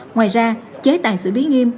ngoài ra chế tài xử lý nghiêm